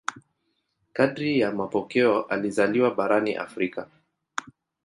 Kadiri ya mapokeo alizaliwa barani Afrika.